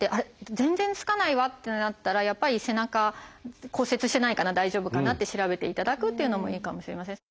全然つかないわってなったらやっぱり背中骨折してないかな大丈夫かなって調べていただくっていうのもいいかもしれません。